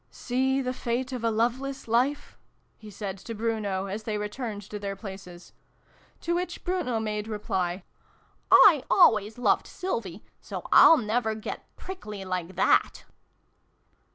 "Seethe fate of a loveless life !" he said to Bruno, as they returned to their places. To which Bruno made reply, " I always loved Sylvie, so I'll never get prickly like that